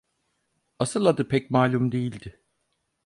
Asıl adı pek malum değildi.